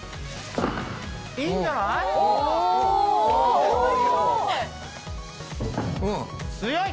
いいんじゃない？